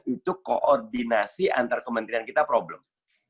itu koordinasi antar kementerian kita problem